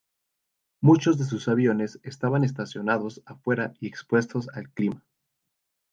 Muchos de sus aviones estaban estacionados afuera y expuestos al clima.